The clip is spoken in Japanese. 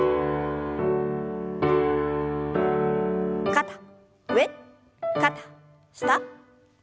肩上肩下。